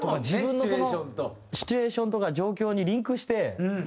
自分のそのシチュエーションとか状況にリンクして。